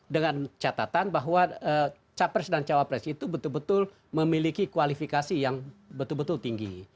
dengan catatan bahwa capres dan cawapres itu betul betul memiliki kualifikasi yang betul betul tinggi